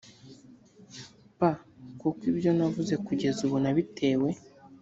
p kuko ibyo navuze kugeza ubu nabitewe